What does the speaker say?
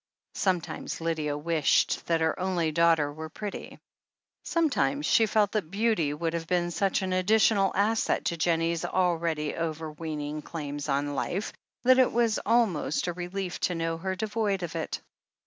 Sometimes Lydia wished that her only daughter were pretty ; sometimes she felt that beauty would have been such an additional asset to Jennie's alreaay overweening THE HEEL OF ACHILLES 345 claims on life that it was almost a relief to know her devoid of it.